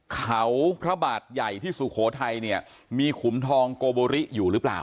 เขาพระบาทใหญ่ที่สุโขทัยเนี่ยมีขุมทองโกโบริอยู่หรือเปล่า